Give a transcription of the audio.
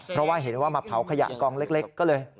เพราะว่าเห็นว่ามาเผาขยะกองเล็กก็เลย